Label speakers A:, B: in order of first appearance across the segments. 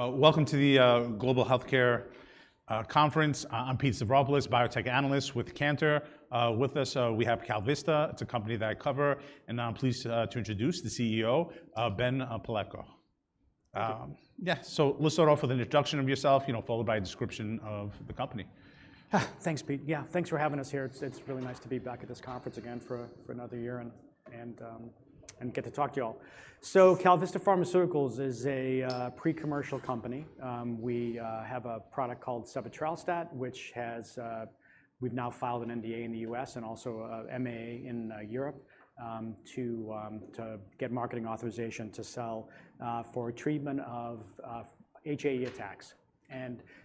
A: Welcome to the Global Healthcare Conference. I'm Peter Stavropoulos, biotech analyst with Cantor. With us we have KalVista. It's a company that I cover, and I'm pleased to introduce the CEO, Ben Palleiko.
B: Thank you.
A: Yeah, so let's start off with an introduction of yourself, you know, followed by a description of the company.
B: Ah! Thanks, Pete. Yeah, thanks for having us here. It's really nice to be back at this conference again for another year and get to talk to you all. KalVista Pharmaceuticals is a pre-commercial company. We have a product called sebetralstat, which has. We've now filed an NDA in the US and also MA in Europe to get marketing authorization to sell for treatment of HAE attacks.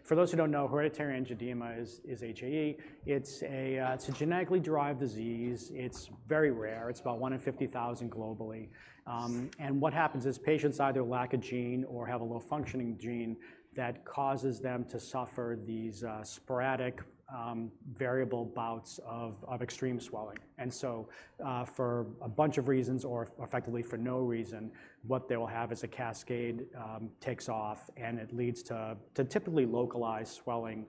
B: For those who don't know, hereditary angioedema is HAE. It's a genetically derived disease. It's very rare. It's about one in fifty thousand globally. And what happens is, patients either lack a gene or have a low-functioning gene that causes them to suffer these sporadic variable bouts of extreme swelling. And so, for a bunch of reasons or effectively for no reason, what they will have is a cascade takes off, and it leads to typically localized swelling,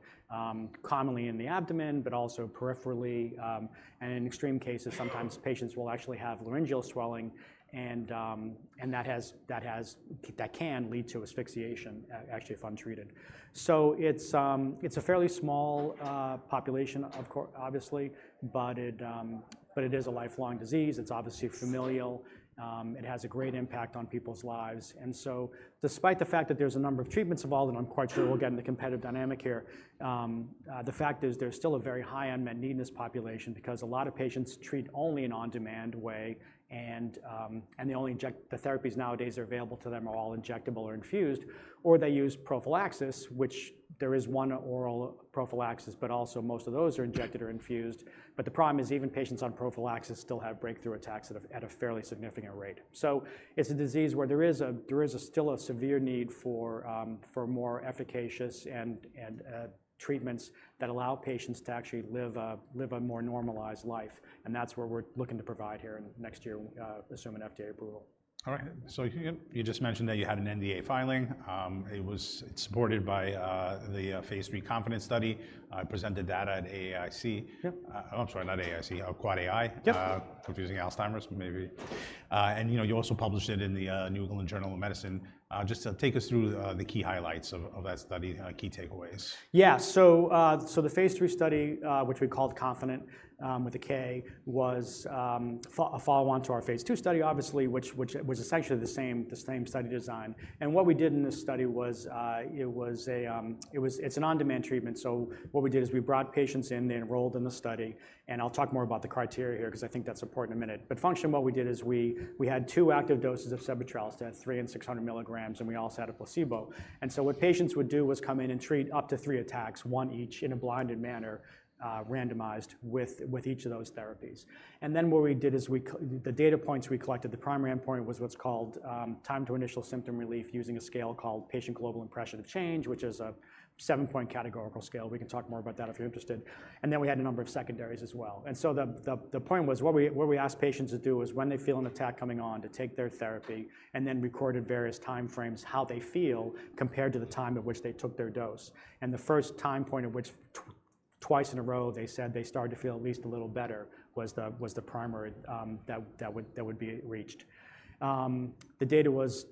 B: commonly in the abdomen, but also peripherally. And in extreme cases, sometimes patients will actually have laryngeal swelling, and that can lead to asphyxiation, actually, if untreated. So it's a fairly small population, obviously, but it is a lifelong disease. It's obviously familial. It has a great impact on people's lives. And so despite the fact that there's a number of treatments involved, and I'm quite sure we'll get into competitive dynamic here, the fact is there's still a very high unmet need in this population because a lot of patients treat only in on-demand way, and they only inject. The therapies nowadays are available to them are all injectable or infused, or they use prophylaxis, which there is one oral prophylaxis, but also most of those are injected or infused. But the problem is, even patients on prophylaxis still have breakthrough attacks at a fairly significant rate. So it's a disease where there is still a severe need for more efficacious and treatments that allow patients to actually live a more normalized life, and that's where we're looking to provide here in next year, assuming FDA approval.
A: All right. So you just mentioned that you had an NDA filing. It's supported by the phase III CONFIDENT study presented data at AAIC.
B: Yep.
A: I'm sorry, not AAIC, AAAAI.
B: Yep.
A: Confusing Alzheimer's maybe. And you know, you also published it in the New England Journal of Medicine. Just take us through the key highlights of that study, key takeaways.
B: Yeah. So, so the phase III study, which we called CONFIDENT, with a K, was, a follow-on to our phase II study, obviously, which was essentially the same, the same study design. And what we did in this study was, it was a, It's an on-demand treatment, so what we did is we brought patients in, they enrolled in the study. And I'll talk more about the criteria here 'cause I think that's important in a minute. But functionally, what we did is we had two active doses of sebetralstat, three and six hundred milligrams, and we also had a placebo. And so what patients would do was come in and treat up to three attacks, one each, in a blinded manner, randomized with each of those therapies. And then what we did is we collected the data points we collected. The primary endpoint was what's called time to initial symptom relief, using a scale called Patient Global Impression of Change, which is a seven-point categorical scale. We can talk more about that if you're interested. We had a number of secondaries as well. So the point was what we asked patients to do is when they feel an attack coming on, to take their therapy and then recorded various time frames, how they feel, compared to the time at which they took their dose. The first time point at which twice in a row they said they started to feel at least a little better was the primary that would be reached. The data was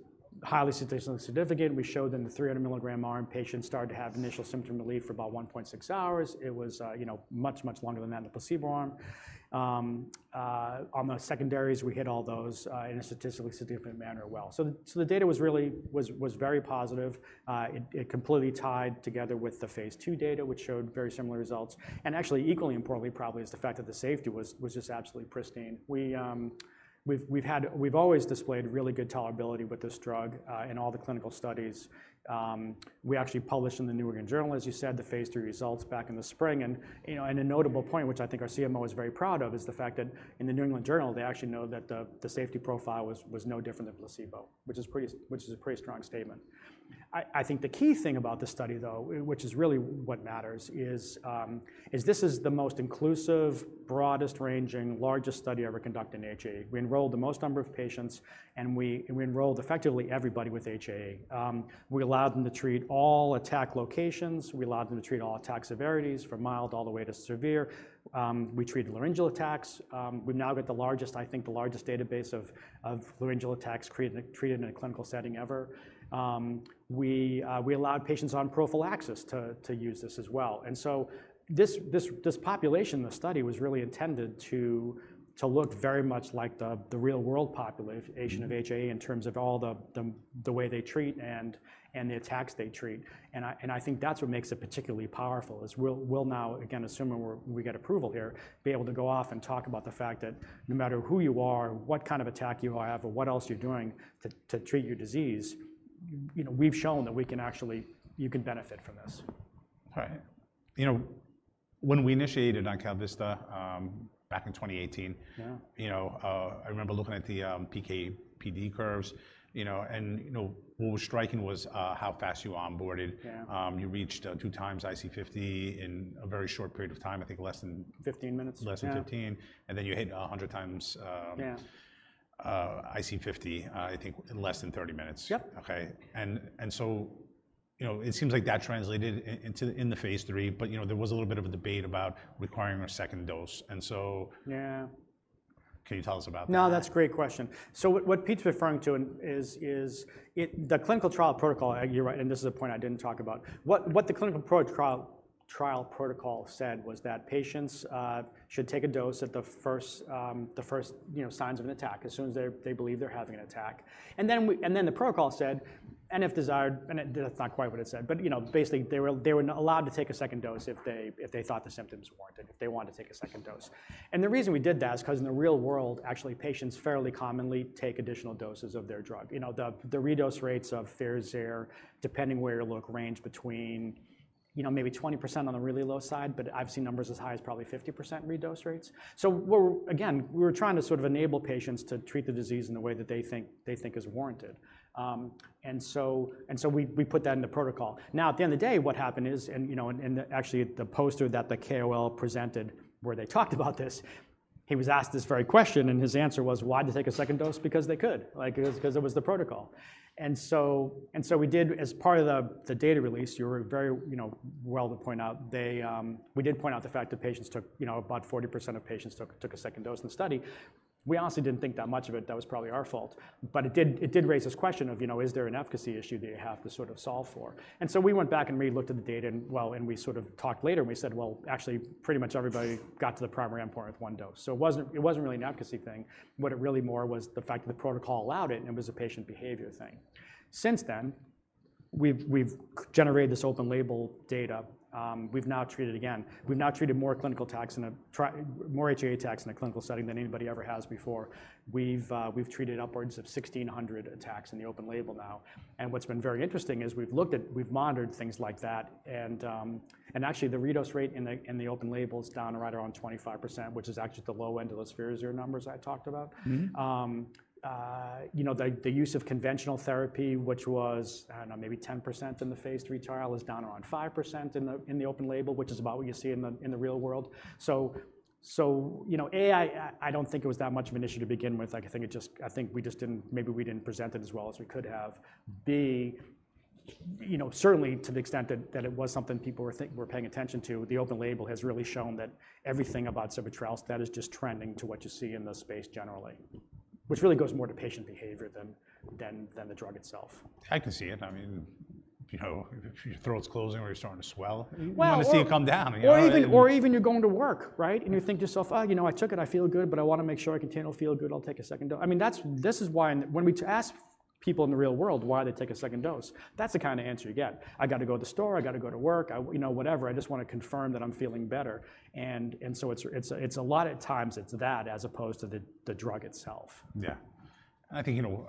B: highly statistically significant. We showed them the 300 milligram arm patients started to have initial symptom relief for about 1.6 hours. It was, you know, much, much longer than that, the placebo arm. On the secondaries, we hit all those in a statistically significant manner, well. So the data was really very positive. It completely tied together with the phase II data, which showed very similar results. Actually, equally importantly, probably, is the fact that the safety was just absolutely pristine. We've always displayed really good tolerability with this drug in all the clinical studies. We actually published in the New England Journal, as you said, the Phase III results back in the spring. You know, a notable point, which I think our CMO is very proud of, is the fact that in the New England Journal, they actually know that the safety profile was no different than placebo, which is a pretty strong statement. I think the key thing about this study, though, which is really what matters, is, this is the most inclusive, broadest-ranging, largest study ever conducted in HAE. We enrolled the most number of patients, and we enrolled effectively everybody with HAE. We allowed them to treat all attack locations, we allowed them to treat all attack severities, from mild all the way to severe. We treated laryngeal attacks. We've now got the largest, I think, the largest database of laryngeal attacks created, treated in a clinical setting ever. We allowed patients on prophylaxis to use this as well, and so this population, the study was really intended to look very much like the real-world population-
A: Mm...
B: of HAE in terms of all the way they treat and the attacks they treat. And I think that's what makes it particularly powerful, is we'll now, again, assuming we get approval here, be able to go off and talk about the fact that no matter who you are, what kind of attack you have, or what else you're doing to treat your disease, you know, we've shown that we can actually... you can benefit from this.
A: Right. You know, when we initiated on KalVista, back in 2018-
B: Yeah...
A: you know, I remember looking at the PK, PD curves, you know, and, you know, what was striking was how fast you onboarded.
B: Yeah.
A: You reached two times IC50 in a very short period of time, I think less than-
B: Fifteen minutes.
A: Less than fifteen, and then you hit a hundred times.
B: Yeah ...
A: IC50, I think in less than 30 minutes.
B: Yep.
A: Okay, and so, you know, it seems like that translated into the Phase III, but, you know, there was a little bit of a debate about requiring a second dose, and so-
B: Yeah.
A: Can you tell us about that?
B: No, that's a great question. So what Pete's referring to is the clinical trial protocol. You're right, and this is a point I didn't talk about. What the clinical trial protocol said was that patients should take a dose at the first you know signs of an attack, as soon as they believe they're having an attack. And then the protocol said, "And if desired..." And it, that's not quite what it said, but you know, basically, they were allowed to take a second dose if they thought the symptoms warranted, if they wanted to take a second dose. And the reason we did that is 'cause in the real world, actually, patients fairly commonly take additional doses of their drug. You know, the re-dose rates of Firazyr, depending where you look, range between, you know, maybe 20% on the really low side, but I've seen numbers as high as probably 50% re-dose rates. So we're, again, we were trying to sort of enable patients to treat the disease in the way that they think is warranted, and so we put that in the protocol. Now, at the end of the day, what happened is, you know, actually, the poster that the KOL presented, where they talked about this, he was asked this very question, and his answer was, "Why'd they take a second dose? Because they could." Like, it was because it was the protocol. And so we did... As part of the data release, you were very, you know, well to point out, they, we did point out the fact that patients took, you know, about 40% of patients took a second dose in the study. We honestly didn't think that much of it. That was probably our fault, but it did raise this question of, you know, is there an efficacy issue that you have to sort of solve for? And so we went back and re-looked at the data, and well, and we sort of talked later, and we said, "Well, actually, pretty much everybody got to the primary endpoint with one dose." So it wasn't really an efficacy thing. What it really more was the fact that the protocol allowed it, and it was a patient behavior thing. Since then, we've generated this open label data. We've now treated more HAE attacks in a clinical setting than anybody ever has before. We've treated upwards of 1,600 attacks in the open label now, and what's been very interesting is we've monitored things like that, and actually, the re-dose rate in the open label is down right around 25%, which is actually the low end of those Firazyr numbers I talked about.
A: Mm-hmm.
B: You know, the use of conventional therapy, which was, I don't know, maybe 10% in the Phase III trial, is down around 5% in the open label, which is about what you see in the real world. You know, A, I don't think it was that much of an issue to begin with. Like, I think it just. I think we just didn't, maybe we didn't present it as well as we could have. B, you know, certainly to the extent that it was something people were paying attention to, the open label has really shown that everything about sebetralstat trials, that is just trending to what you see in the space generally, which really goes more to patient behavior than the drug itself.
A: I can see it. I mean, you know, if your throat's closing or you're starting to swell-
B: Well-
A: You want to see it come down, you know?
B: Or even you're going to work, right? And you think to yourself: Oh, you know, I took it, I feel good, but I want to make sure I continue to feel good. I'll take a second dose. I mean, that's. This is why when we ask people in the real world why they take a second dose, that's the kind of answer you get. "I've got to go to the store. I've got to go to work. I, you know, whatever. I just want to confirm that I'm feeling better." And so it's a lot of times that, as opposed to the drug itself.
A: Yeah. And I think, you know,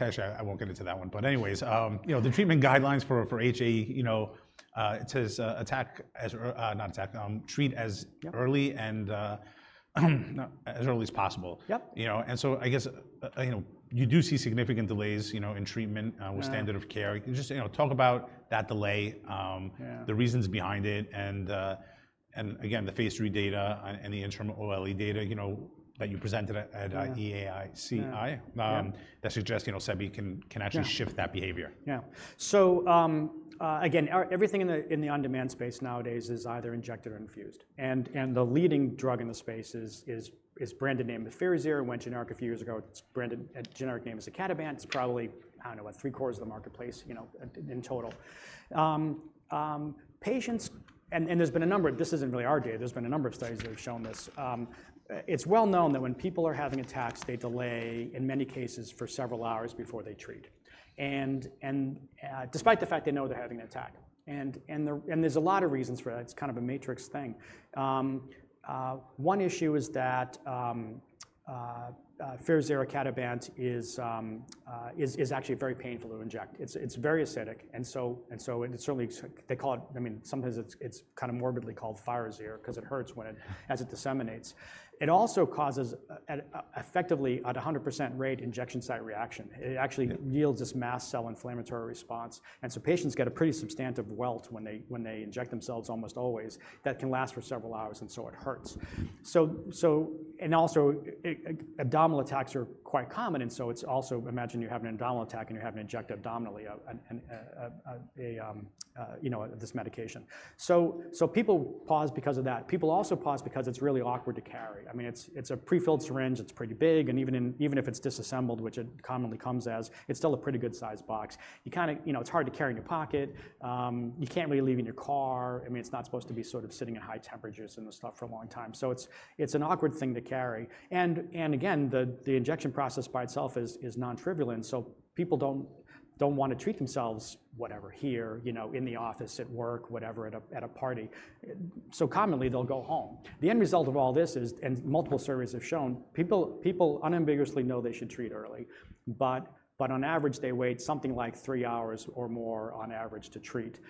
A: actually, I won't get into that one, but anyways, you know, the treatment guidelines for HAE, you know, it says, attack as early, not attack, treat as-
B: Yep...
A: early and, as early as possible.
B: Yep.
A: You know, and so I guess, you know, you do see significant delays, you know, in treatment-
B: Mm.
A: - with standard of care. Just, you know, talk about that delay,
B: Yeah...
A: the reasons behind it, and again, the Phase III data and the interim OLE data, you know, that you presented at...
B: Yeah...
A: EAACI.
B: Yeah, yep.
A: That suggest, you know, Sebi can actually-
B: Yeah...
A: shift that behavior.
B: Yeah. So, again, everything in the on-demand space nowadays is either injected or infused, and the leading drug in the space is branded name, Firazyr. It went generic a few years ago. It's branded generic name is icatibant. It's probably, I don't know, what, three-quarters of the marketplace, you know, in total. Patients, and this isn't really our data. There's been a number of studies that have shown this. It's well known that when people are having attacks, they delay, in many cases, for several hours before they treat, and despite the fact they know they're having an attack, and there's a lot of reasons for that. It's kind of a matrix thing. One issue is that Firazyr or Kalbitor is actually very painful to inject. It's very acidic, and so it certainly. They call it - I mean, sometimes it's kind of morbidly called Firazyr 'cause it hurts when it, as it disseminates. It also causes effectively, at a 100% rate, injection site reaction.
A: Yeah.
B: It actually yields this mast cell inflammatory response, and so patients get a pretty substantive welt when they inject themselves almost always, that can last for several hours, and so it hurts. Abdominal attacks are quite common, and so it's also... Imagine you're having an abdominal attack, and you're having to inject abdominally you know this medication. People pause because of that. People also pause because it's really awkward to carry. I mean, it's a pre-filled syringe. It's pretty big, and even if it's disassembled, which it commonly comes as, it's still a pretty good sized box. You kinda you know it's hard to carry in your pocket. You can't really leave it in your car. I mean, it's not supposed to be sort of sitting at high temperatures and the stuff for a long time, so it's an awkward thing to carry, and again, the injection process by itself is non-trivial, and so people don't want to treat themselves, whatever, here, you know, in the office, at work, whatever, at a party, so commonly, they'll go home. The end result of all this is, and multiple surveys have shown, people unambiguously know they should treat early, but on average, they wait something like three hours or more on average to treat.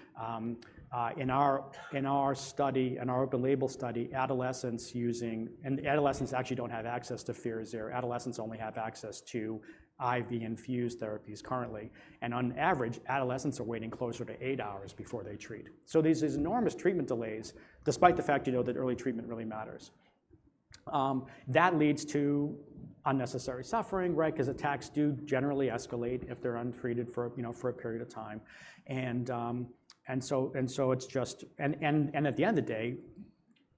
B: In our open label study, adolescents using, and adolescents actually don't have access to Firazyr. Adolescents only have access to IV infused therapies currently, and on average, adolescents are waiting closer to eight hours before they treat. So there's these enormous treatment delays, despite the fact you know that early treatment really matters. That leads to unnecessary suffering, right? Because attacks do generally escalate if they're untreated for, you know, for a period of time. And so it's just, and at the end of the day,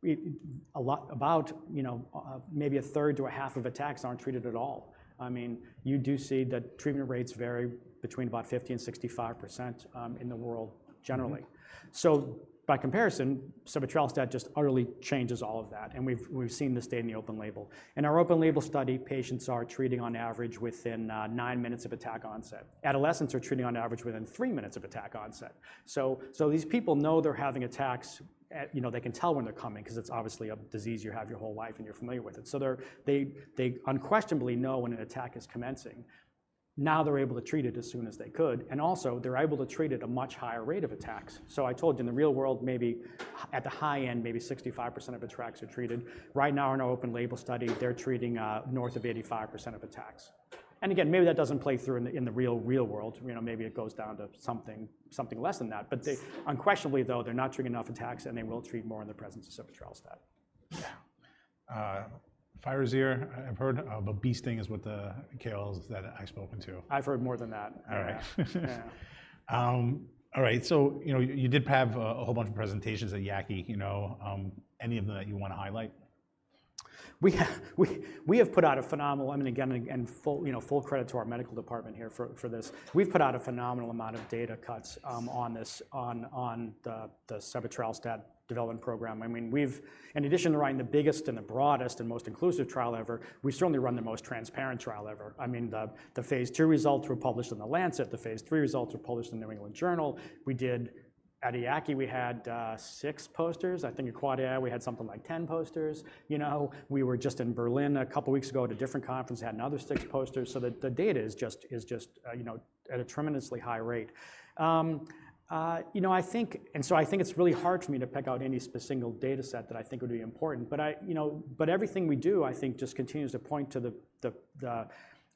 B: you know, maybe a third to a half of attacks aren't treated at all. I mean, you do see that treatment rates vary between about 50% and 65% in the world generally. So by comparison, sebetralstat just utterly changes all of that, and we've seen this data in the open label. In our open label study, patients are treating on average within nine minutes of attack onset. Adolescents are treating on average within three minutes of attack onset. So, these people know they're having attacks at, you know, they can tell when they're coming 'cause it's obviously a disease you have your whole life, and you're familiar with it. So they're, they unquestionably know when an attack is commencing. Now, they're able to treat it as soon as they could, and also, they're able to treat at a much higher rate of attacks. So I told you, in the real world, maybe at the high end, maybe 65% of attacks are treated. Right now in our open label study, they're treating north of 85% of attacks. And again, maybe that doesn't play through in the real world. You know, maybe it goes down to something less than that. But they unquestionably, though, they're not treating enough attacks, and they will treat more in the presence of sebetralstat.
A: Yeah. Firazyr, I've heard of, but bee sting is what the KOLs that I've spoken to.
B: I've heard more than that.
A: All right.
B: Yeah.
A: All right, so, you know, you did have a whole bunch of presentations at EAACI. You know, any of them that you wanna highlight?
B: We have put out a phenomenal... I mean, again and full credit to our medical department here for this. We've put out a phenomenal amount of data cuts on the sebetralstat development program. I mean, we've, in addition to running the biggest and the broadest and most inclusive trial ever, we certainly run the most transparent trial ever. I mean, the phase II results were published in The Lancet. The phase III results were published in The New England Journal. We did at EAACI. We had six posters. I think at AAAAI, we had something like ten posters. You know, we were just in Berlin a couple weeks ago at a different conference. We had another six posters. So the data is just, you know, at a tremendously high rate. You know, I think, and so I think it's really hard for me to pick out any single data set that I think would be important. But I, you know, but everything we do, I think, just continues to point to the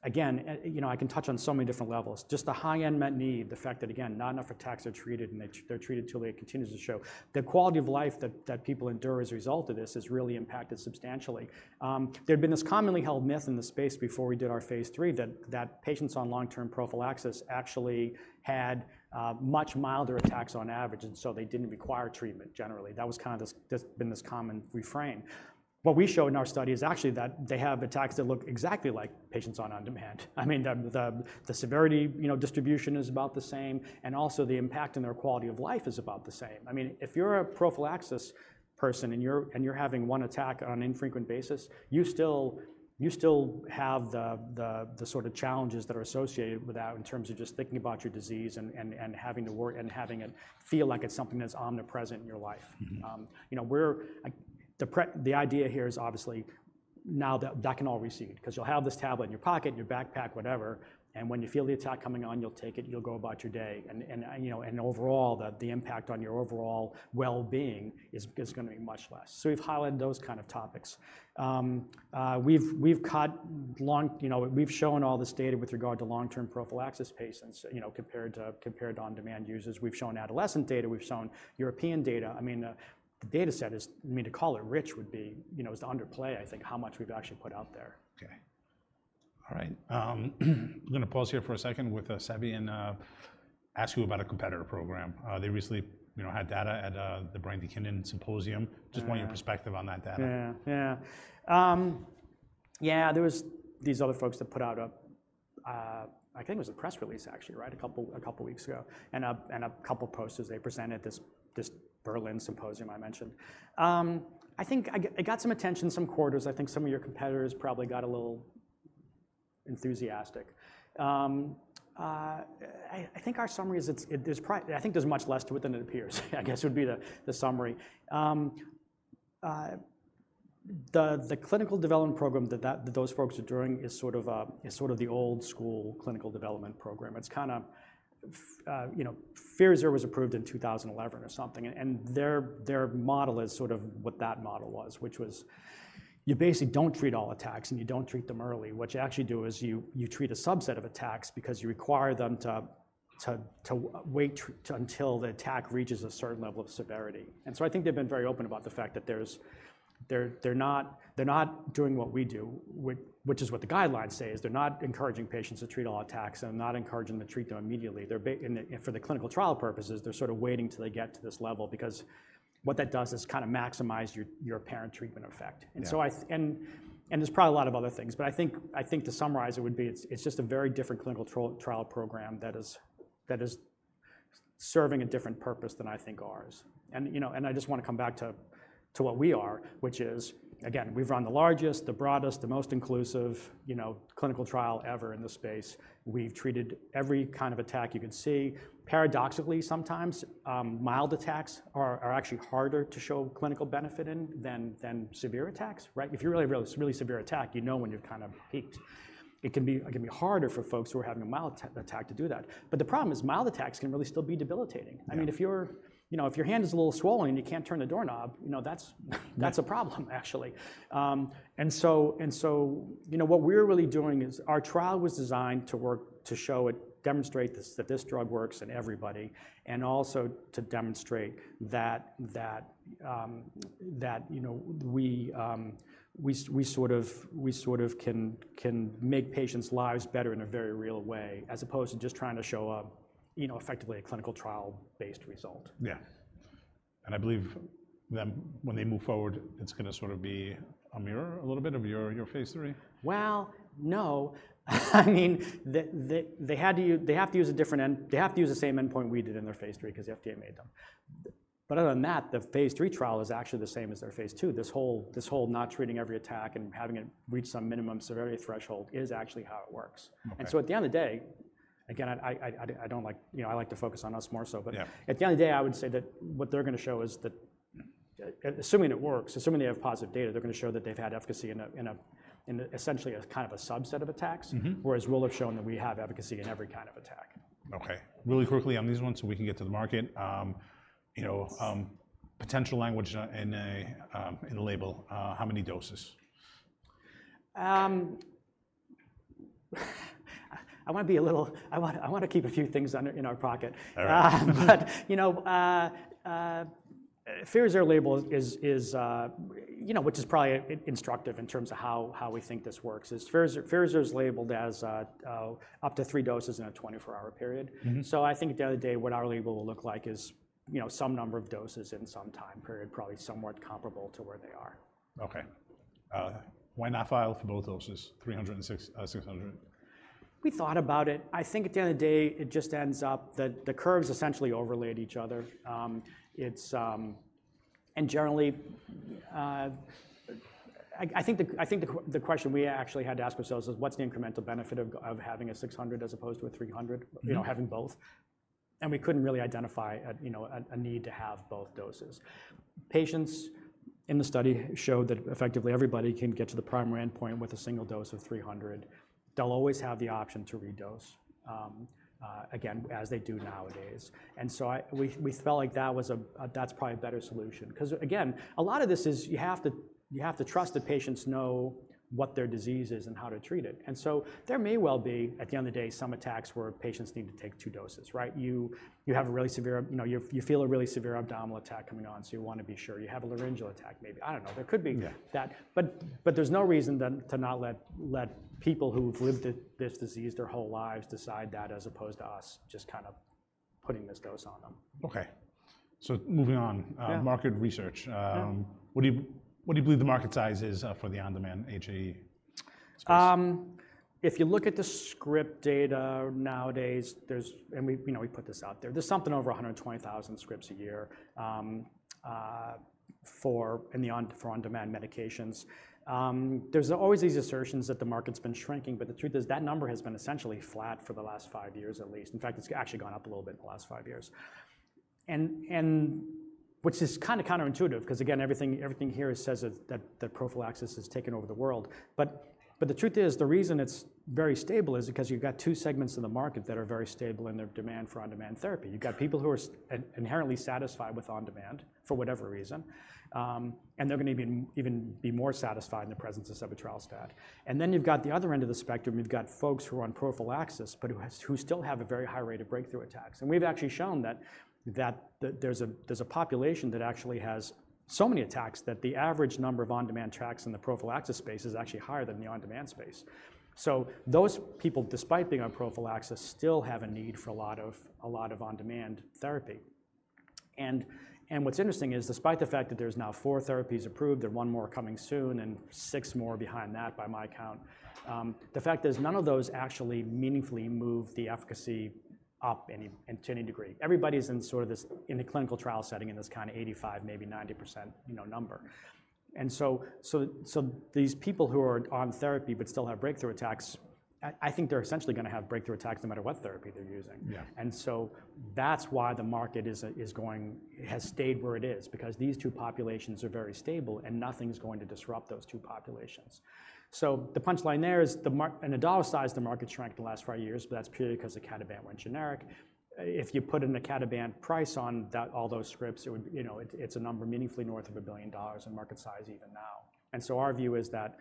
B: again, and you know, I can touch on so many different levels. Just the high unmet need, the fact that, again, not enough attacks are treated, and they're treated until it continues to show. The quality of life that people endure as a result of this is really impacted substantially. There'd been this commonly held myth in the space before we did our phase III, that patients on long-term prophylaxis actually had much milder attacks on average, and so they didn't require treatment generally. That was kind of this been this common refrain. What we show in our study is actually that they have attacks that look exactly like patients on on-demand. I mean, the severity, you know, distribution is about the same, and also the impact on their quality of life is about the same. I mean, if you're a prophylaxis person, and you're having one attack on an infrequent basis, you still have the sort of challenges that are associated with that in terms of just thinking about your disease and having it feel like it's something that's omnipresent in your life.
A: Mm-hmm.
B: You know, the idea here is obviously now that that can all recede, 'cause you'll have this tablet in your pocket, your backpack, whatever, and when you feel the attack coming on, you'll take it, you'll go about your day, and you know, and overall, the impact on your overall well-being is gonna be much less. So we've highlighted those kind of topics. We've covered long, you know, we've shown all this data with regard to long-term prophylaxis patients, you know, compared to on-demand users. We've shown adolescent data, we've shown European data. I mean, the data set is. I mean, to call it rich would be, you know, is to underplay, I think, how much we've actually put out there.
A: Okay. All right. We're gonna pause here for a second with Sebi and ask you about a competitor program. They recently, you know, had data at the Bradykinin Symposium.
B: Mm.
A: Just want your perspective on that data.
B: Yeah, yeah. Yeah, there was these other folks that put out a press release, actually, right? A couple weeks ago, and a couple posters they presented this Berlin symposium I mentioned. I think it got some attention, some quarters. I think some of your competitors probably got a little enthusiastic. I think our summary is it's. There's much less to it than it appears, I guess would be the summary. The clinical development program that those folks are doing is sort of the old school clinical development program. It's kinda, you know, Firazyr was approved in two thousand and eleven or something, and their model is sort of what that model was, which was you basically don't treat all attacks, and you don't treat them early. What you actually do is you treat a subset of attacks because you require them to wait until the attack reaches a certain level of severity. And so I think they've been very open about the fact that there's, they're not doing what we do, which is what the guidelines say, is they're not encouraging patients to treat all attacks and not encouraging them to treat them immediately. They're, and for the clinical trial purposes, they're sort of waiting till they get to this level, because what that does is kind of maximize your apparent treatment effect.
A: Yeah.
B: And so I think, and there's probably a lot of other things, but I think to summarize it would be it's just a very different clinical trial program that is serving a different purpose than I think ours. You know, I just wanna come back to what we are, which is, again, we've run the largest, the broadest, the most inclusive, you know, clinical trial ever in this space. We've treated every kind of attack you can see. Paradoxically, sometimes mild attacks are actually harder to show clinical benefit in than severe attacks, right? If you're really, really, really severe attack, you know when you've kind of peaked. It can be harder for folks who are having a mild attack to do that. But the problem is, mild attacks can really still be debilitating.
A: Yeah.
B: I mean, you know, if your hand is a little swollen, and you can't turn the doorknob, you know, that's-
A: Yeah...
B: that's a problem, actually, and so, you know, what we're really doing is, our trial was designed to work, to show it, demonstrate this, that this drug works in everybody, and also to demonstrate that, you know, we sort of can make patients' lives better in a very real way, as opposed to just trying to show a, you know, effectively a clinical trial-based result.
A: Yeah, and I believe them, when they move forward, it's gonna sort of be a mirror, a little bit, of your Phase III?
B: Well, no. I mean, they have to use the same endpoint we did in their Phase III, 'cause the FDA made them. But other than that, the Phase III trial is actually the same as their Phase II. This whole not treating every attack and having it reach some minimum severity threshold is actually how it works.
A: Okay.
B: And so at the end of the day, again, I don't like—you know, I like to focus on us more so, but-
A: Yeah.
B: At the end of the day, I would say that what they're gonna show is that, assuming it works, assuming they have positive data, they're gonna show that they've had efficacy in essentially a kind of subset of attacks.
A: Mm-hmm.
B: Whereas we've shown that we have efficacy in every kind of attack.
A: Okay. Really quickly on these ones, so we can get to the market, you know,
B: Yes...
A: potential language in a label, how many doses?
B: I wanna keep a few things under, in our pocket.
A: All right.
B: But you know, Firazyr label is, you know, which is probably instructive in terms of how we think this works. Firazyr is labeled as up to three doses in a 24-hour period.
A: Mm-hmm.
B: So I think at the end of the day, what our label will look like is, you know, some number of doses in some time period, probably somewhat comparable to where they are.
A: Okay. Why not file for both doses, 300 and 600?
B: We thought about it. I think at the end of the day, it just ends up that the curves essentially overlaid each other. And generally, I think the question we actually had to ask ourselves was, what's the incremental benefit of having a six hundred as opposed to a three hundred?
A: Mm-hmm.
B: You know, having both, and we couldn't really identify, you know, a need to have both doses. Patients in the study showed that effectively, everybody can get to the primary endpoint with a single dose of 300. They'll always have the option to redose again, as they do nowadays. And so we, we felt like that was, that's probably a better solution. 'Cause again, a lot of this is you have to, you have to trust that patients know what their disease is and how to treat it. And so there may well be, at the end of the day, some attacks where patients need to take two doses, right? You have a really severe, you know, you feel a really severe abdominal attack coming on, so you wanna be sure. You have a laryngeal attack, maybe. I don't know. There could be-
A: Yeah
B: ...that, but there's no reason then to not let people who've lived with this disease their whole lives decide that, as opposed to us just kind of putting this dose on them.
A: Okay, so moving on-
B: Yeah...
A: market research.
B: Yeah.
A: What do you believe the market size is for the on-demand HAE space?
B: If you look at the script data nowadays, and we, you know, we put this out there. There's something over 120,000 scripts a year for on-demand medications. There's always these assertions that the market's been shrinking, but the truth is, that number has been essentially flat for the last five years at least. In fact, it's actually gone up a little bit in the last five years. Which is kinda counterintuitive, 'cause again, everything here says that prophylaxis has taken over the world. But the truth is, the reason it's very stable is because you've got two segments in the market that are very stable in their demand for on-demand therapy. You've got people who are inherently satisfied with on-demand, for whatever reason, and they're gonna be even more satisfied in the presence of sebetralstat, and then you've got the other end of the spectrum. You've got folks who are on prophylaxis, but who still have a very high rate of breakthrough attacks, and we've actually shown that there's a population that actually has so many attacks that the average number of on-demand attacks in the prophylaxis space is actually higher than the on-demand space, so those people, despite being on prophylaxis, still have a need for a lot of on-demand therapy. And what's interesting is, despite the fact that there's now four therapies approved, there are one more coming soon and six more behind that, by my count, the fact is, none of those actually meaningfully move the efficacy up any, to any degree. Everybody's in sort of this, in a clinical trial setting, in this kind of 85%, maybe 90%, you know, number. And so these people who are on therapy but still have breakthrough attacks, I think they're essentially gonna have breakthrough attacks no matter what therapy they're using.
A: Yeah.
B: That's why the market has stayed where it is, because these two populations are very stable, and nothing's going to disrupt those two populations. The punchline there is, in the dollar size, the market shrank the last five years, but that's purely because the Kalbitor went generic. If you put in a Kalbitor price on that, all those scripts, it would, you know, it's a number meaningfully north of $1 billion in market size even now. Our view is that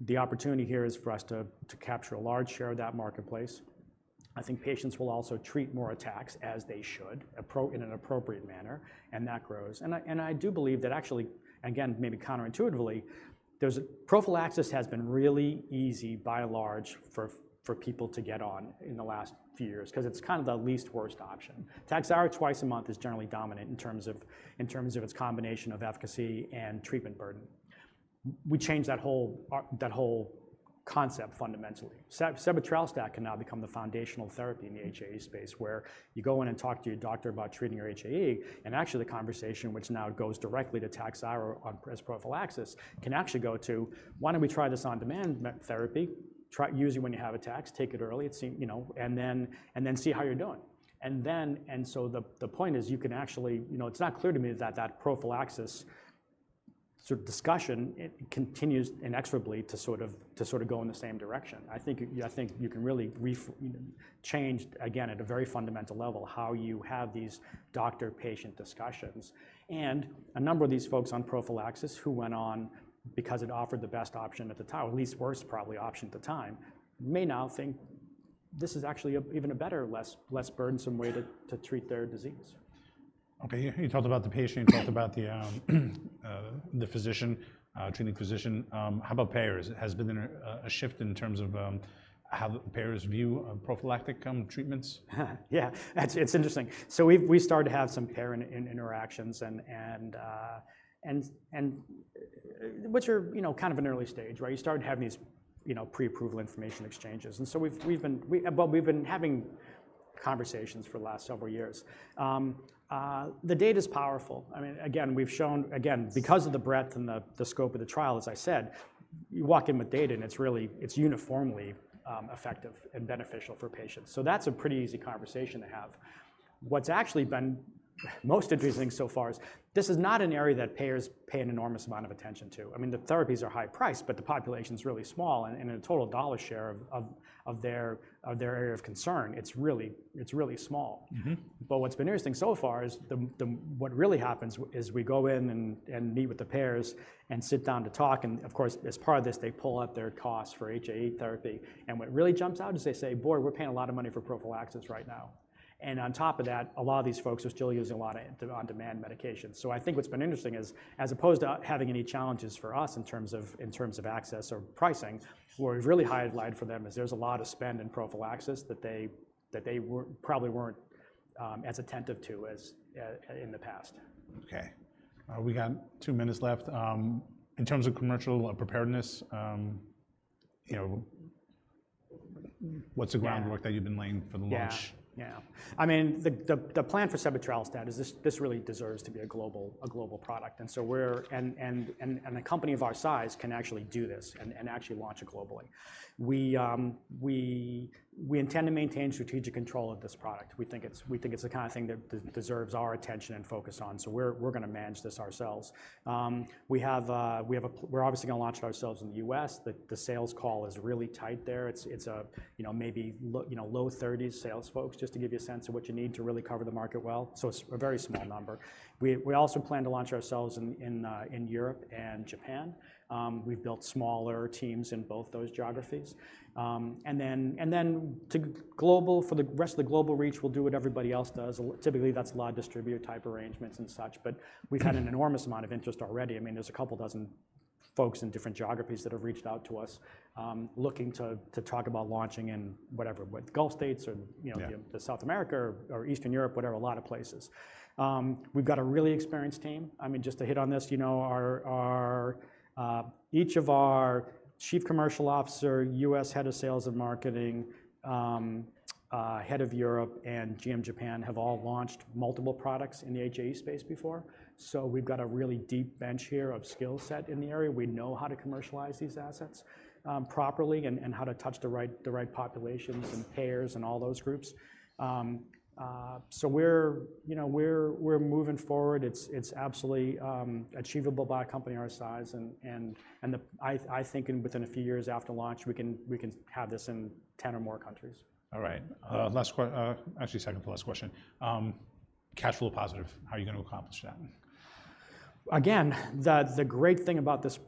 B: the opportunity here is for us to capture a large share of that marketplace. I think patients will also treat more attacks, as they should, in an appropriate manner, and that grows. I do believe that actually, again, maybe counterintuitively, there's... Prophylaxis has been really easy by and large, for people to get on in the last few years, 'cause it's kind of the least worst option. Takhzyro twice a month is generally dominant in terms of its combination of efficacy and treatment burden. We change that whole concept fundamentally. Sebetralstat can now become the foundational therapy in the HAE space, where you go in and talk to your doctor about treating your HAE, and actually the conversation, which now goes directly to Takhzyro on, as prophylaxis, can actually go to, "Why don't we try this on-demand therapy? Use it when you have attacks, take it early, it seems, you know, and then see how you're doing." And then, so the point is, you can actually... You know, it's not clear to me is that, that prophylaxis sort of discussion, it continues inexorably to sort of go in the same direction. I think you can really change, again, at a very fundamental level, how you have these doctor-patient discussions. And a number of these folks on prophylaxis who went on because it offered the best option at the time, or at least worst probably option at the time, may now think this is actually an even better, less burdensome way to treat their disease.
A: Okay, you talked about the patient, you talked about the physician, treating physician. How about payers? Has there been a shift in terms of how the payers view prophylactic treatments?
B: Yeah, it's interesting. So we've started to have some payer interactions and which are, you know, kind of an early stage, right? You started having these, you know, pre-approval information exchanges, and so we've been. But we've been having conversations for the last several years. The data's powerful. I mean, again, we've shown again, because of the breadth and the scope of the trial, as I said, you walk in with data, and it's really it's uniformly effective and beneficial for patients. So that's a pretty easy conversation to have. What's actually been most interesting so far is this is not an area that payers pay an enormous amount of attention to. I mean, the therapies are high-priced, but the population's really small, and in a total dollar share of their area of concern, it's really small.
A: Mm-hmm.
B: But what's been interesting so far is. What really happens is we go in and meet with the payers and sit down to talk, and of course, as part of this, they pull out their costs for HA therapy. And what really jumps out is they say, "Boy, we're paying a lot of money for prophylaxis right now," and on top of that, a lot of these folks are still using a lot of on-demand medications. So I think what's been interesting is, as opposed to having any challenges for us in terms of access or pricing, what we've really highlighted for them is there's a lot of spend in prophylaxis that they probably weren't as attentive to as in the past.
A: Okay. We got two minutes left. In terms of commercial preparedness, you know, what's the groundwork-
B: Yeah...
A: that you've been laying for the launch?
B: Yeah, yeah. I mean, the plan for sebetralstat is this really deserves to be a global product, and so we're a company of our size can actually do this and actually launch it globally. We intend to maintain strategic control of this product. We think it's the kind of thing that deserves our attention and focus on, so we're gonna manage this ourselves. We're obviously gonna launch it ourselves in the US. The sales force is really tight there. It's you know, maybe low thirties sales folks, just to give you a sense of what you need to really cover the market well so it's a very small number.
A: Mm-hmm.
B: We also plan to launch ourselves in Europe and Japan. We've built smaller teams in both those geographies, and then to global... For the rest of the global reach, we'll do what everybody else does. Typically, that's a lot of distributor-type arrangements and such, but-
A: Mm...
B: we've had an enormous amount of interest already. I mean, there's a couple dozen folks in different geographies that have reached out to us, looking to talk about launching in whatever, with Gulf States or, you know-
A: Yeah...
B: the South America or Eastern Europe, whatever, a lot of places. We've got a really experienced team. I mean, just to hit on this, you know, each of our Chief Commercial Officer, U.S. Head of Sales and Marketing, Head of Europe, and GM Japan have all launched multiple products in the HA space before. So we've got a really deep bench here of skill set in the area. We know how to commercialize these assets properly and I think within a few years after launch, we can have this in 10 or more countries.
A: All right. Actually, second to last question. Cash flow positive, how are you gonna accomplish that?
B: Again, the great thing about this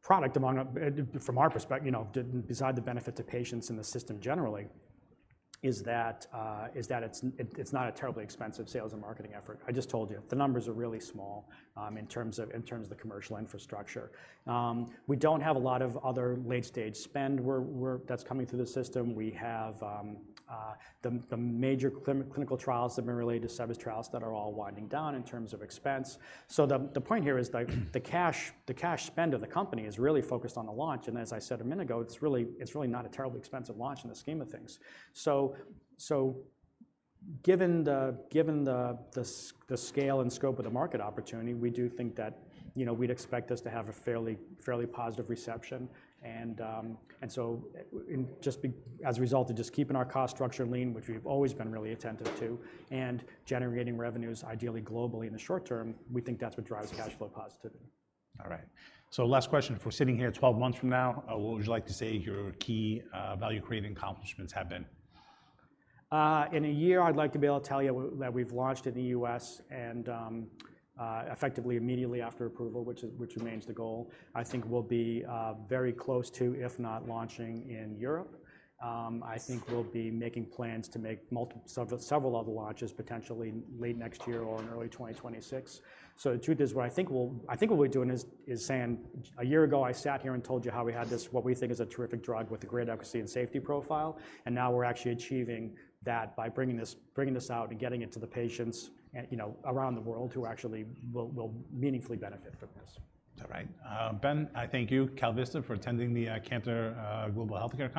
B: product from our perspective, you know, besides the benefit to patients in the system generally, is that it's not a terribly expensive sales and marketing effort. I just told you, the numbers are really small in terms of the commercial infrastructure. We don't have a lot of other late-stage spend, where that's coming through the system. We have the major clinical trials that have been related to sebetralstat that are all winding down in terms of expense. So the point here is like the cash spend of the company is really focused on the launch, and as I said a minute ago, it's really not a terribly expensive launch in the scheme of things. Given the scale and scope of the market opportunity, we do think that, you know, we'd expect this to have a fairly positive reception. As a result of just keeping our cost structure lean, which we've always been really attentive to, and generating revenues, ideally globally in the short term, we think that's what drives cash flow positivity.
A: All right. So last question: if we're sitting here twelve months from now, what would you like to say your key, value-creating accomplishments have been?
B: In a year, I'd like to be able to tell you that we've launched in the U.S. and effectively, immediately after approval, which remains the goal. I think we'll be very close to, if not launching in Europe. I think we'll be making plans to make several other launches, potentially late next year or in early 2026. So the truth is, I think what we're doing is saying, "A year ago, I sat here and told you how we had this, what we think is a terrific drug with a great efficacy and safety profile, and now we're actually achieving that by bringing this out and getting it to the patients, and you know, around the world who actually will meaningfully benefit from this.
A: All right. Ben, I thank you, KalVista, for attending the Cantor Global Healthcare Conference.